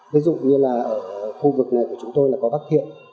ví dụ như là ở khu vực này của chúng tôi là có bác hiện